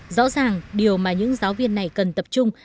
rõ ràng điều mà những giáo viên này cần tập trung